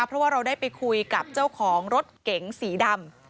เพราะว่าเราได้ไปคุยกับเจ้าของรถเก๋งสีดำ